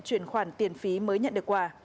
chuyển khoản tiền phí mới nhận được quả